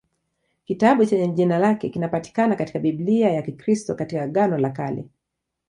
Kitabu chenye jina lake kinapatikana katika Biblia ya Kikristo katika Agano la Kale.